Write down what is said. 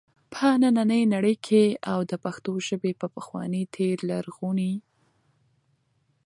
په ننی نړۍ کي او د پښتو ژبي په پخواني تیر لرغوني